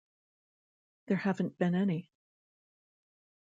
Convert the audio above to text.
There haven't been any.